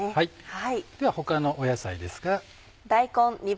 では他の野菜ですが。